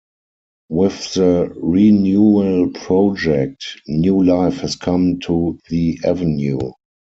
With the renewal project, new life has come to the avenue.